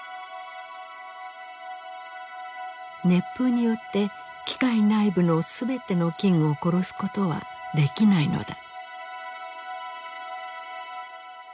熱風によって機械内部の全ての菌を殺すことはできないのだ。